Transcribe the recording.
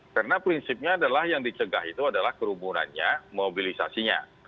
karena prinsipnya adalah yang dicegah itu adalah kerumunannya mobilisasinya